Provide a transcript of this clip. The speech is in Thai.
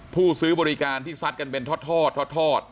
ผู้ซื้อบริการที่ซัดกันเป็นทอด